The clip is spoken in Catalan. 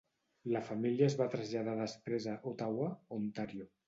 La família es va traslladar després a Ottawa, Ontario.